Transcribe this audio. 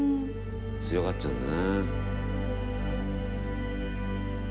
強がっちゃうんだね。